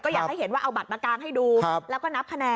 อยากให้เห็นว่าเอาบัตรมากางให้ดูแล้วก็นับคะแนน